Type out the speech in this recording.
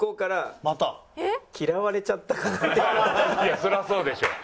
そりゃそうでしょ。